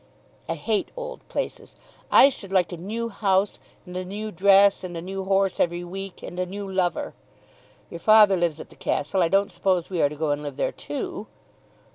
"I hate old places. I should like a new house, and a new dress, and a new horse every week, and a new lover. Your father lives at the castle. I don't suppose we are to go and live there too."